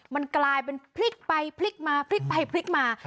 มันกลายเป็นพลิกไปพลิกมาพลิกไปพลิกมา